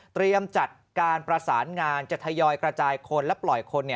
จัดการประสานงานจะทยอยกระจายคนและปล่อยคน